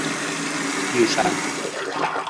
I ho sap.